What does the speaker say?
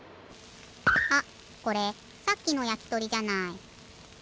あっこれさっきのやきとりじゃない。